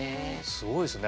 すごいですね。